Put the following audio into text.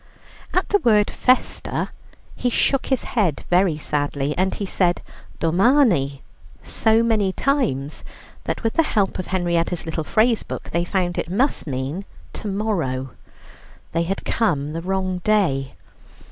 At the word "festa" he shook his head very sadly, and he said "Domani" so many times that, with the help of Henrietta's little phrase book, they found it must mean "To morrow." They had come the wrong day.